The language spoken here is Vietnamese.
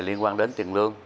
liên quan đến tiền lương